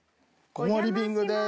このリビングです。